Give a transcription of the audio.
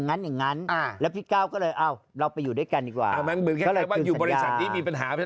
ก็เหมือนแค่ว่าอยู่บริษัทนี่มีปัญหา